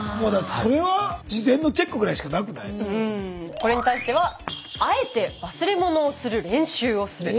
これに対しては「あえて忘れ物をする練習をする」。